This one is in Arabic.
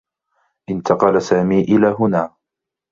انتقل سامي إلى هنا.